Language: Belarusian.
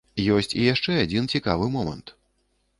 Ёсць і яшчэ адзін цікавы момант.